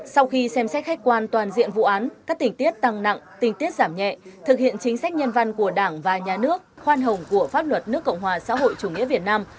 sau khi xem xét khách quan toàn diện vụ án các tình tiết tăng nặng tình tiết giảm nhẹ thực hiện chính sách nhân văn của đảng và nhà nước khoan hồng của pháp luật nước cộng hòa xã hội chủ nghĩa việt nam